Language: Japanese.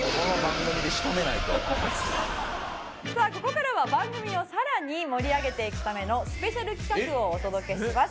さあここからは番組をさらに盛り上げていくためのスペシャル企画をお届けします。